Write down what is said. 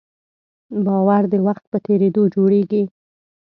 باور د وخت په تېرېدو جوړېږي.